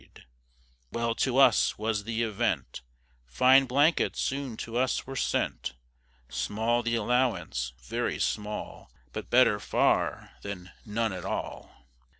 And well to us was the event, Fine blankets soon to us were sent; Small the allowance, very small, But better far than none at all.